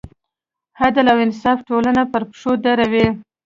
عدل او انصاف ټولنه پر پښو دروي.